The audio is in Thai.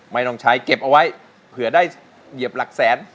ไม่ต้องใช้เก็บเอาไว้เผื่อได้เหยียบหลักแสน